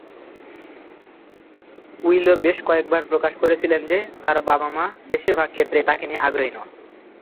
উইলো বেশ কয়েকবার প্রকাশ করেছিলেন যে তার বাবা-মা বেশিরভাগ ক্ষেত্রেই তাকে নিয়ে আগ্রহী নন।